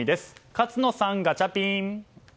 勝野さん、ガチャピン。